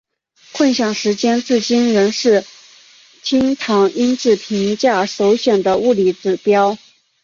混响时间至今仍是厅堂音质评价首选的物理指标。